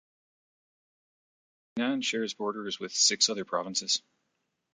Henan shares borders with six other provinces.